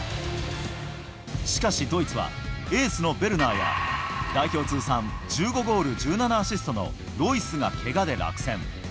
しかしドイツはエースのヴェルナーや、代表通算１５ゴール１７アシストのロイスがけがで落選。